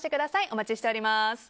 お待ちしております。